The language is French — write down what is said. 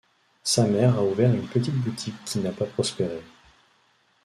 Sa mère a ouvert une petite boutique qui n'a pas prospéré.